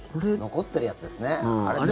残ってるやつですね。